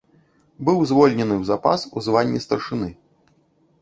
Быў звольнены ў запас у званні старшыны.